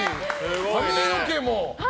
髪の毛もね。